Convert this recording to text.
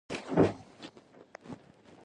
د ښادۍ او غم په حالاتو کې.